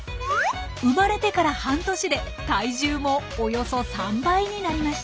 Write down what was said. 生まれてから半年で体重もおよそ３倍になりました。